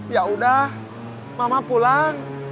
yaudah mama pulang